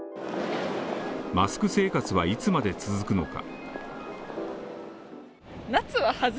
マスク生活はいつまで続くのか。